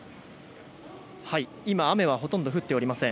今、雨はほとんど降っておりません。